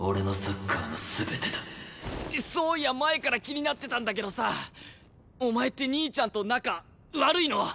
そういや前から気になってたんだけどさお前って兄ちゃんと仲悪いの？